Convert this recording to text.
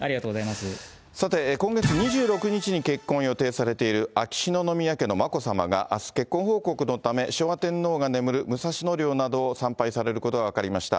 さて、今月２６日に結婚を予定されている秋篠宮家の眞子さまが、あす、結婚報告のため昭和天皇が眠る武蔵野陵などを参拝されることが分かりました。